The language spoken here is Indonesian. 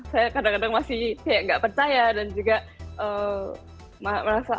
saya kadang kadang masih kayak nggak percaya dan juga merasa